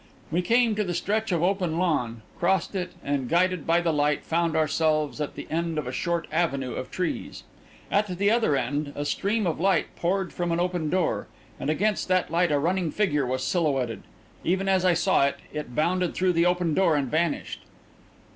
We came to the stretch of open lawn, crossed it, and, guided by the light, found ourselves at the end of a short avenue of trees. At the other end, a stream of light poured from an open door, and against that light a running figure was silhouetted. Even as I saw it, it bounded through the open door and vanished.